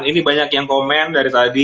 ini banyak yang komen dari tadi